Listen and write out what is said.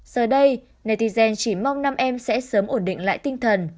giờ đây netizen chỉ mong nam em sẽ sớm ổn định lại tinh thần